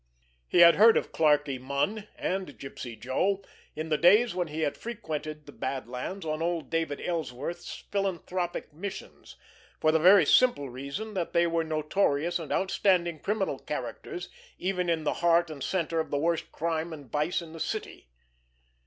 He had heard of Clarkie Munn and Gypsy Joe in the days when he had frequented the Bad Lands on old David Ellsworth's philanthropic missions, for the very simple reason that they were notorious and outstanding criminal characters even in the heart and center of the worst crime and vice in the city.